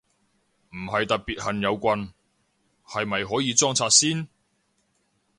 唔係特別恨有棍，係咪可以裝拆先？